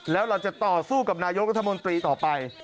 แล้วเราจะต่อสู้กับนายกรัฐมนตรีต่อไป